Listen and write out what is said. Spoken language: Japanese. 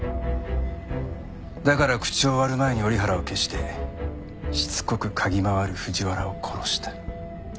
だから口を割る前に折原を消してしつこく嗅ぎ回る藤原を殺した。